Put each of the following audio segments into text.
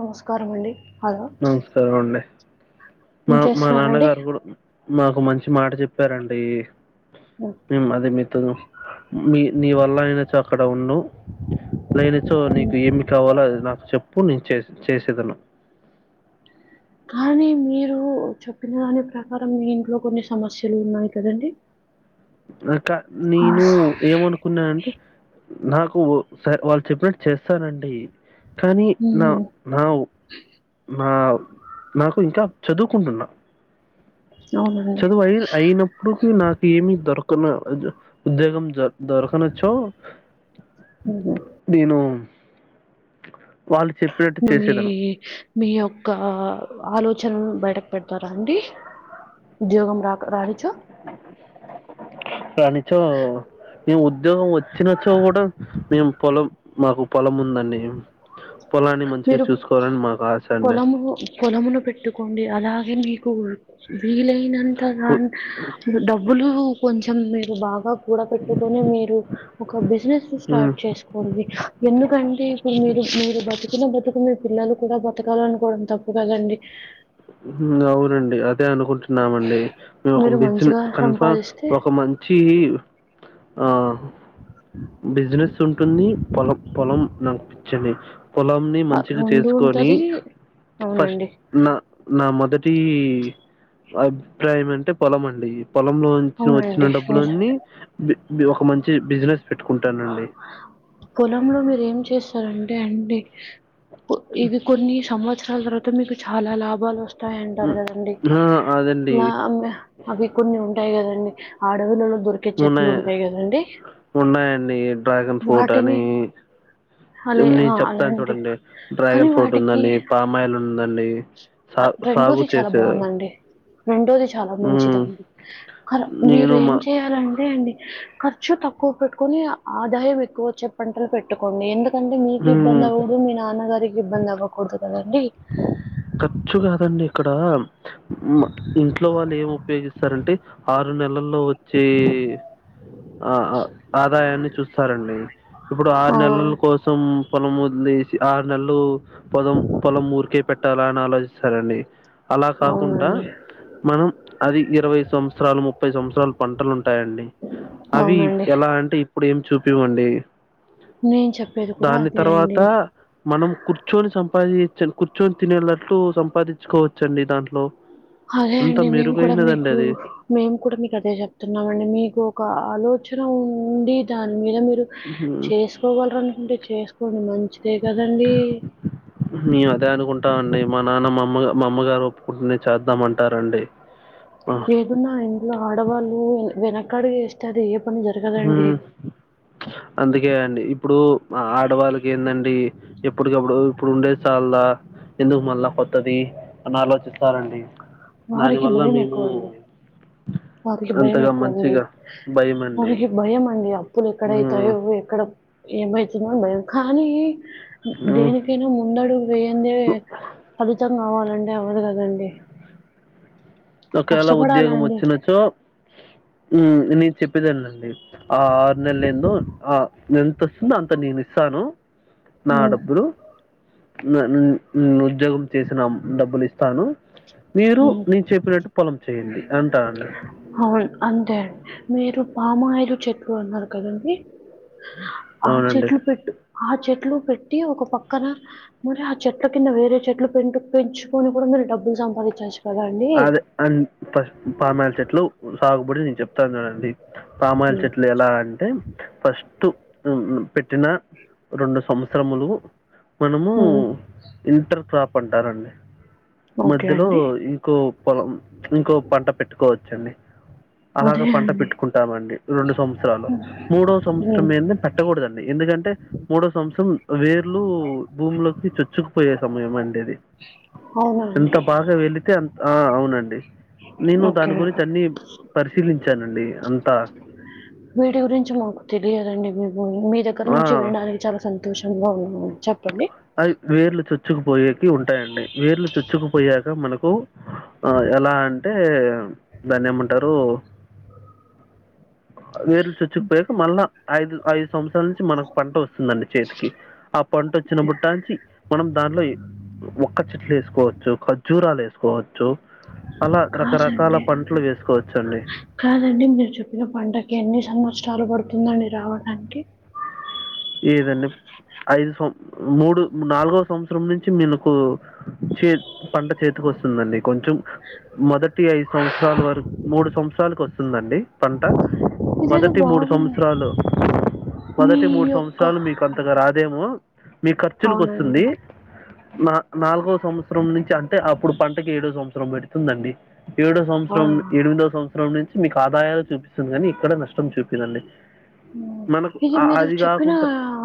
నమస్కారం అండి హలో సరె ఉండి మా ఏం మా చేస్తున్నారండి నాన్నగారు కూడా మాకు మంచి మాట చెప్పారండి అదే మీతో మీ నీ వల్ల అయినచ్చు అక్కడ ఉన్నం లేనిచో నీకు ఏమి కావాలో అది నాకు చెప్పు నేను చే చేసేదను కానీ మీరు చెప్పిన దాని ప్రకారం మీ ఇంట్లో కొన్ని సమస్యలు ఉన్నాయి కదండి అకా నేను ఏమను కున్నానంటే నాకు వాళ్ళు చెప్పినట్టు చేస్తానండి కానీ నా ఉమ్, నా నా నాకు ఇంకా చదువుకుంటున్నా అవునండి చదువు అయి అయినప్పడుకి నాకు ఏమి దొరకన ఉద్యోగం దొ దొరకన చో ఉమ్. నేను వాళ్ళు చెప్పినట్టు ఇప్పుడు మీ చేసేదను మీ యొక్క ఆలోచనను బయటకు పెడతారా అండి ఉద్యోగం రా రానీచో రానిచో మేము ఉద్యోగం వచ్చినచ్చో కూడా మేము పొలం మాకు పొలం ఉందండి పొలాన్ని మంచిగా మీరు చూసుకోవాలని మాకు ఆశ అండి పొలము పొలమును పెట్టుకోండి అలాగే మీకు వీలైనంత గా ఉ- డబ్బులు కొంచెం మీరు బాగా కూడ పెట్టుకొని మీరు ఒక బిజినెస్ ఉమ్, స్టార్ట్ చేసుకోండి ఎందుకంటే ఇప్పుడు మీరు మీరు బతుకిన్న బతుకు మీ పిల్లలు కూడా బతకాల అనుకోవడం తప్పు కదండి అవునండి అదే అనుకుంటున్నామండి మేము ఒక మీరు మంచిగా బిజినెస్ కన్ఫామ్ సంపాదిస్తే ఒక మం చ్చి ఆ బిజినెస్ ఉంటుంది పొలం పొలం నాకు పిచ్చండి పొలం ని మంచిగా రెండు చేసుకొని ఉంటది ఫస్ట్ అవునండి నా నా మొదటి అభిప్రాయం అంటే పొలం అండి పొలంలో నుంచి అవునండి వచ్చిన డబ్బులన్నీ నిజమే ఒక మంచి బిజినెస్ పెట్టుకుంటానండి పొలంలో మీరు ఏం చేస్తారంటే అండి ఇవి కొన్ని సంవత్సరాల తర్వాత మీకు చాలా లాభాలు వ స్థాయి అంటారు హ్మ్. కదండీ ఆ! అదండి నా అమ్ అవి కొన్ని ఉంటాయి కదండీ అడవులలో దొరుకు ఉన్నాయ ఉన్నాయండి డ్రాగన్ ఫ్రూట్ వాటిని అని అలే నేను ఆ చెప్తా అలాంటి చూడండి కానీ డ్రాగన్ ఫ్రూట్ ఉందండి పామాయిల్ ఉందండి సా ఆ సాగు రెండోది చాలా చేసే బాగుందండి రెండోది చాలా హ్మ్. మంచిదండి కా మీరు నేను ఏం మా చేయా లంటే అండి ఖర్చు తక్కువ పెట్టుకుని ఆదాయం ఎక్కువచ్చే పంటలు పెట్టుకోండి ఎందు కంటే మీకు ఇబ్బంది హ్మ్. అవ్వకూడదు మీ నాన్నగారికి ఇబ్బంది అవ్వకూడదు కదండి. ఖర్చు కాదండి ఇక్కడ మ ఇంట్లో వాళ్ళు ఏమి ఉపయోగిస్తారంటే ఆరు నెలల్లో వచ్చె ఆ ఆ ఆదాయాన్ని చూస్తారండి ఇప్పుడు ఆరు ఆ, నెలలు కోసం పొలం వదిలేసి ఆరు నెల్లు పొలం పొలం ఊర్కే పెట్ టలా నాలో స్తారండి అలా కాకుండా అవునండి మనం అది ఇరవై సంవత్సరాలు ముప్పై సంవత్సరాలు పంటలు ఉంటాయండి. అవి అవునండి. ఎలా అంటే ఇప్పుడు ఏం చూపివండి నేను చెప్పేది కూడా దాని అదే తర్వాత అండి మనం కూర్చొని సంపాదిచని కూర్చొని తినెలాట్లు సంపాదించుకోవచ్చండి దాంట్లో అదే అంత అండి మేము కూడా మెరుగైనదండి మీకు అది మేము కూడా మీకు అదే చెప్తున్నామండి మీకు ఒక ఆలోచన ఉండి దాని మీద మీరు హ్మ్. చేసుకోగలరు అనుకుంటే చేసుకోండి మంచిదే కదండీ. [inaudible] మేము అదే అనుకుంటాం అండి మా నాన్న మా అమ్మ మా అమ్మగారు ఒప్పుకుంటునే చేద్దామంటారండి. [inaudible] ఏదన్నా ఆ ఇంట్లో ఆడవాళ్ళు వెనకాడుగు వేస్తే అది ఏ పని జరు హు అందుకే అండి ఇప్పుడు ఆ ఆడవాళ్ళకి ఏందండి ఎప్పుటికప్పుడు ఇప్పుడు ఉండేది చాల్దా ఎందుకు మళ్ళా కొత్తది అని ఆలోచిస్తారండి దాని వారికి వల్ల భయం మేము ఎక్కువండి. వారికి భయం అంతగా ఎక్కువండి. మంచిగా భయమండి మనకి భయం అండి అప్పులు హ్మ్. ఎక్కడైతాయో ఏవ్ ఎక్కడ ఏమైతుందో అని భయం, కానీ హ్మ్. దేనికైనా ముందడుగు వేయందే ఫలితం కావాలన్ టే అవ్వదు కదండీ ఒకయలా ఉద్యోగం కష్టపడాలండి వచ్చినచో ఉ నేను చెప్పేదేనండి. ఆ ఆరు నెల ఎందో ఆ ఎంతొస్తుందో అంత నేను ఇస్తాను నా ఉమ్, డబ్బులు నా న్ ఉద్యోగం చేసినా డబ్బులు ఇస్తాను మీరు ఉమ్. మీ చెప్పినట్టు పొలం చేయండి అంటానండి అవును అంతే మీరు పామాయిల్ చెట్లు అన్నారు కదండి ఆ అవునండి చెట్లు పెట్టు ఆ చెట్లు పెట్టి ఒక పక్కన మరి ఆ చెట్ల కింద వేరే చెట్లు పెంటు పెంచుకొని కూడా మీరు డబ్బులు సంపాదించొచ్చు. అదే అ పా పామాయిలు చెట్లు సాగుబడి నేను చెప్తా చూడండి. పామాయిల్ ఉమ్, చెట్లు ఎలా అంటే ఫస్టు పెట్టిన రెండు సంవత్సరములు మనము ఉమ్. ఇంటర్ క్రాప్ అంటారండి ఓకే మధ్యలో అండి ఈ పొలం ఇంకో పంట పెట్టుకోవచ్చండి అదే అలాగా పంట అండి పెట్టుకుంటామండి రెండు సంవత్సరాలు మూడో ఉమ్. సంవత్సరం ఏన్ మేం పెట్టకూడదండి ఎందుకంటే మూడో సంవత్సరం వేర్లు భూములోకి చొచ్చుకుపోయే సమయం అండి ఇది అవునా ఎంత అండి బాగా వెళితే అం ఆ అవునండి నేను ఓకే దాని గురించి అన్నీ పరిశీలించానండి అంతా వీటి గురించి మాకు తెలియదండి మేము మీ దగ్గర ఆ! నుంచి వినడానికి చాలా సం తోషంగా [inaudible] చెప్పండి అవి వేర్లు చొచ్చుకుపోయేకి ఉంటాయండి వేర్లు చొచ్చుకుపోయాక మనకు ఆ ఎలా అంటే దాన్ని ఏమంటారు వేర్లు చొచ్చుకుపోయాక మళ్ళా ఐదు ఐదు సంవత్సరాల నుంచి మనకు పంట వస్తుందండి చేతిక కి ఆ పంట వచ్చినప్పుట్టాంచి మనం దాంట్లో ఒక్క చెట్లు వేసుకోవచ్చు ఖజ్జూరాలు వేసుకోవచ్చు అలా రకరకాల కాదండి పంటలు వేసుకోవచ్చండి కాదండి మీరు చెప్పిన పంటకి ఎన్ని సంవత్సరాలు పడుతుందండి రావడానికి ఏదండి ఐదు సం మూడు నాలుగో సంవత్సరం నుంచి మినికు చే పంట చేతికి వస్తుందండి కొంచెం మొదటి ఐదు సంవత్సరాల వర మూడు సంవత్సరాలకు వస్ తుందండి పంట ఇదేదో మొదటి మూడు బాగుంది సంవత్సరాలు మీ మొదటి మూడు యొక్క సంవత్సరాలు మీకు అంతగా రాదేమో మీ ఖర్చులకు అవునండి వస్తుంది నా నాలుగో సంవత్సరం నుంచి అంటే అప్పుడు పంటకి ఏడో సంవత్సరం పెడు తుందండి ఏడో ఆ, సంస్రం ఎనిమిదో సం సరం నుంచి మీకు ఆదాయాలు చూపిస్తుంది కానీ ఎక్కడా నష్టం చూపీదండి మనకు ఆ అదిగా నా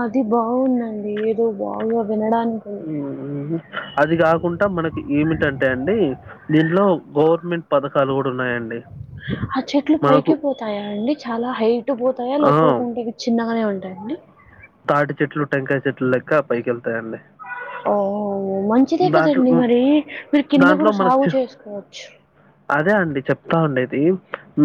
అది బావుందండి ఏదో బావుగా వినడానికి ఊహూ అది కాకుంటా మనకి ఏమిటంటే అండి దీంట్లో గవర్మెంట్ పథకాలు కూడా ఉన్నాయండి ఆ చెట్లు మనకు పైకే పోతాయా అండి చాలా హైటు పోతాయా ఆ, లేకోకుంటే చిన్నగానే ఉంటాయండి తాటి చెట్లు టెంకాయ చెట్లు లెక్క పైకెళ్తాయండి ఓ మంచిదే కదండి మరి మీరు కింద దాంట్లో కూడా మనకు సాగు చె- చేసుకోవచ్చు అదే అండి చెప్తా ఉండేది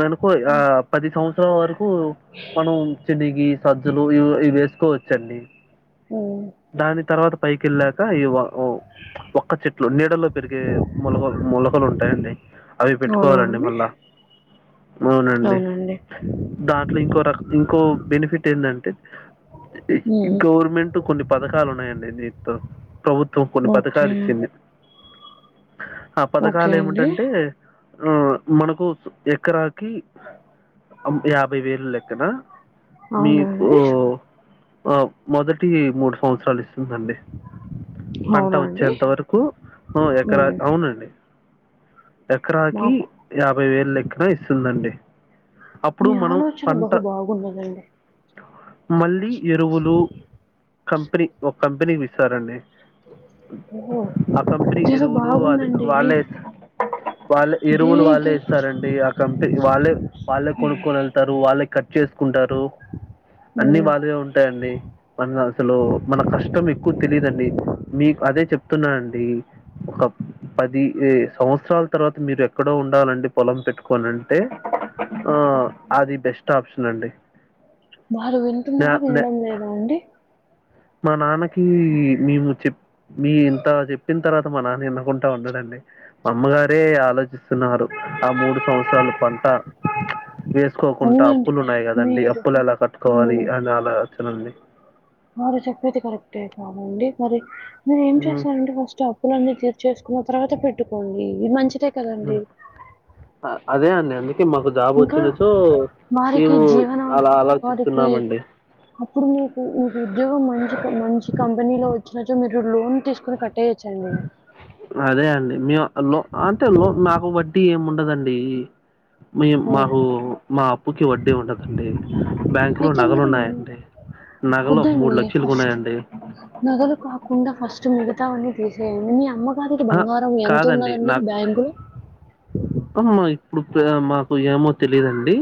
మనుకు ఆ పది సం స్ర వరకు మనం చెనిగి సజ్జలు ఇవి ఇవి వేసుకోవచ్చండి ఊ దాని తర్వాత పైకెళ్ళాక ఈ వా ఒక్క చెట్లు నీడలో పెరిగే మొలకలు మొలకలు ఉంటాయండి అవి అవునా పెట్టుకోవాలండి అండి? మళ్ళా అవునండి దాంట్లో ఇంకో రక ఇంకో బెనిఫిట్ ఏంటంటే హ్మ్. గవర్మెం టు కొన్ని పథకాలు ఉన్నాయండి నీతో ప్రభుత్వం కొన్ని ఓకే. పథకాలు ఇచ్చింది ఆ ఓకే పథకాలు అండి. ఏమిటంటే ఊ మనకు ఎకరాకి అం యాభై వేలు లెక్కన అవునా మీకు అండి? ఆ మొదటి మూడు సంవత్సరాలు ఇస్తుందండి పంట అవునా అండి? వచ్చేంత వరకు ఊ ఎకరా హ్మ్. అవునండి ఎకరాకి మాకు యాభై వేలు లెక్ ఫ్రీ ఇస్తుందండి అప్పుడు మీ మనం ఆలోచన పంట బహు బాగున్నదండి. మళ్ళీ ఎరువులు కంపెనీ ఒక కంపెనీకి ఇస్తారండి ఓహో! ఆ కంపెనీ ఇదేదో ఎరువులు అదే బాగుందండి. వాళ్ళే వాళ్ళ ఎరువులు వాళ్ళే దీనికి ఇస్తారండి ఆ కంపెనీ వాళ్ళే వాళ్ళే కొనుక్కొని వెళ్తారు వాళ్ళ కట్ చేసుకుంటారు అన్నీ హ్మ్. వాళ్లదే ఉంటాయండి మన అసలు మన కష్టం ఎక్కువ తెలీదండి మీ అదే చెప్తున్నానండి ఒక పది ఏ సంవత్సరాల తర్వాత మీరు ఎక్కడో ఉండాలండి పొలం పెట్టుకోని అంటే ఆ అది బెస్ట్ ఆప్షన్ అండి వారు నా వింటున్నారా నే వినడం లేదా అండి మా నాన్నకి మేము చెప్ మీ ఇంత చెప్పిన తర్వాత మా నాన్న వినకుంటా ఉండడండి అమ్మగారే ఆలోచిస్తున్నారు ఆ మూడు సంవత్సరాలు పంట వే సుకోకుండా అవునండి. అప్పులు ఉన్నాయి కదండి మీరు అప్పులు ఎలా కట్టుకోవాలి మీ అని ఆలోచన అండి వారు చెప్పేది కరెక్టే కాదండి మరి నేను ఏం హ్మ్. చేస్తానంటే ఫస్ట్టాప్ అప్పు లన్నీ తీర్చేసుకున్న తర్వాత పెట్టుకోండి ఇది మంచిదే కదండి ఆ అదే అండి అందుకే మకు జాబ్ ఇంకా వచ్చిన చో వారికి మేము జీవనం అలా వారికి ఆలోచిస్తున్నామండి అప్పుడు మీకు మీకు ఉద్యోగం మంచి మంచి కంపెనీ లో వచ్చిన చో మీరు లోన్ తీసుకుని కట్టేయచ్చు అండి అదే అండి మీ లో అంటే లో నాకు వడ్డీ ఏమి ఉండదండి మీ హ్మ్. మాకు మా అప్పుకి వడ్డీ ఉండదండి బ్యాంకు లో అయితే నగలు మీరు మ ఉన్నాయండి నగలు ఒక మూడు వద్దండి లక్షలకు ఫస్ట్ ఉన్నాయండి నగలు కాకుండా ఫస్ట్ మిగతావన్నీ తీసేయండి మీ అమ్మ గారికి ఆ బంగారం ఎంత కాదండి ఉన్నదాని నాకు బ్యాంకులు అమ్మా ఇప్పుడు మాకు ఏమో తెలిదండి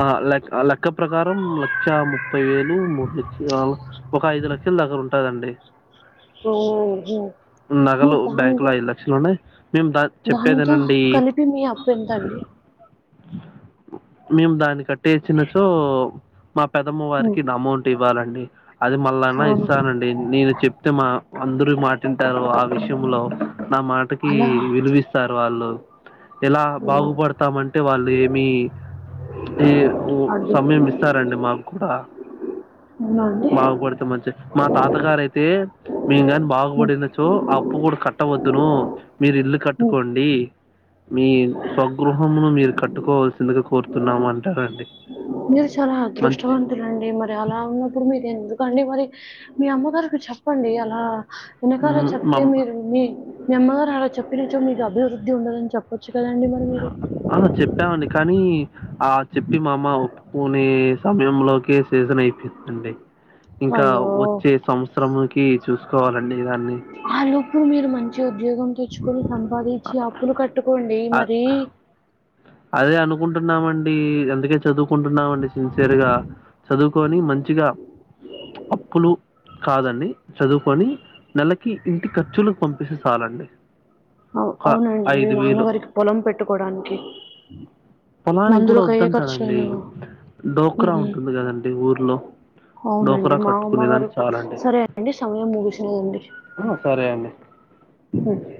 ఆ లె లెక్క ప్రకారం లక్ష ముప్పై వేలు మూడు లక్ష ఒక ఐదు లక్షల దగ్గర ఉంటదండి ఉమ్ హు నగలు బ్యాంకు లో ఐదు లక్షలు ఉన్నాయి మేము దా చెప్పేది దానితో వినండి కలిపి మీ అప్పు ఎంతండి మేము దాన్ని కట్టేసిన సో మా పెదమ్మ వారికి ఉమ్, ఇది అమౌంట్ ఇవ్వాలండి అది మళ్ళన్నా అవును ఇస్తానండి నేను చెప్తే మా అందరూ మాటింటారు ఆ విషయంలో నా మాట మాటకి అలా విలువిస్తారు వాళ్ళు ఎలా ఉమ్, బాగుపడతామంటే వాళ్ళు ఏమి ఈ అడ్డు సమయం ఇస్తారండి మాకు కూడా అవునా అండి బాగుపడితే మంచి మా తాతగారయితే మేము కాని ఉమ్, బాగుపడిన చో ఆ అప్పు కూడా కట్టవద్దును మీరు ఇల్లు ఉమ్. కట్టుకోండి మీ స్వగృహంను మీరు కట్టుకోవాల్సిందిగా కోరుతున్నాము అంటారండి మీది చాలా మంచి అదృష్టవంత లండి మరి అలా ఉన్నప్పుడు మీరే ఎందుకండి మరి మీ అమ్మగారికి చెప్పండి అలా వెనకాల మ్ చెప్తే మమ్ మీరు మీ మీ అమ్మగారు అలా చెప్పినచ్చో మీకు అభివృద్ధి ఉండదని చెప్పొచ్చు కదండి మరి మీరు ఆ చెప్పామండి కానీ ఆ చెప్పి మామ్మ ఓ పోనే సమయంలోకి సీజన్ అయిపోస్తుండి ఇంకా అయ్యో వచ్చే సంవత్సరంకి చూసుకోవాలండి దాన్ని ఆ లోపులు మీరు మంచి ఉద్యోగం తెచ్చుకొని సంపాదించి అప్పులు కట్టుకోండి అ మరి అదే అనుకుంటున్నామండి అందుకే చదువుకుంటున్నామండి సిన్సియర్ గా చదువుకొని మంచిగా అప్పులు కాదండి చదువుకొని నెలకి ఇంటి ఖర్చులు పంపిసే చాలండి ఆ ఒక అవునండి మీ ఐదు వేలు నాన్నగారికి పొలం పెట్టుకోడానికి పొలానికి కూడా వద్దంటారండి డోక్రా ఉంటుంది కదండి ఊర్లో అవునండి డోక్రా మా అమ్మ కట్టుకునే గారు దానికి చాలండి సరే అండి సమయం ముగిసినదండి అ సరే అండి అ